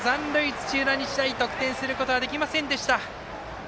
土浦日大、得点することはできませんでした。